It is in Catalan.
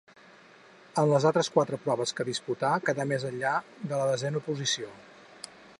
En les altres quatre proves que disputà quedà més enllà de la desena posició.